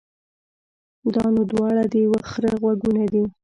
دا نو دواړه د يوه خره غوږونه دي.